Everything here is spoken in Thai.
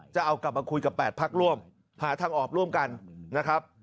จะเอากลับมาคุยกับ๘พักร่วมหาทางออกร่วมกันนะครับ